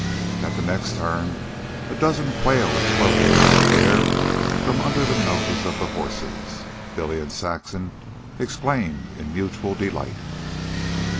At the next turn a dozen quail exploded into the air from under the noses of the horses. Billy and Saxon exclaimed in mutual delight.